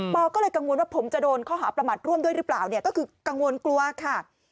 ก็เลยกังวลว่าผมจะโดนข้อหาประมาทร่วมด้วยหรือเปล่าเนี่ยก็คือกังวลกลัวค่ะ